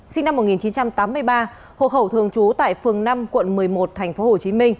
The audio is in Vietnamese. sinh năm một nghìn chín trăm tám mươi ba hộ khẩu thường trú tại phường năm quận một mươi một tp hcm